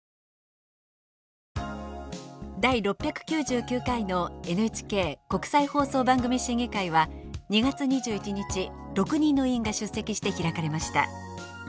第６９９回のＮＨＫ国際放送番組審議会は２月２１日６人の委員が出席して開かれました。